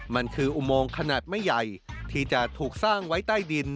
มันคืออุโมงขนาดไม่ใหญ่ที่จะถูกสร้างไว้ใต้ดิน